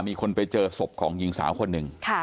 มีคนไปเจอศพของหญิงสาวคนหนึ่ง